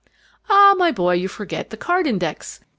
"Ah, my boy, you forget the card index!